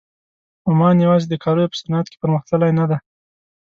عمان یوازې د کالیو په صنعت کې پرمخ تللی نه دی.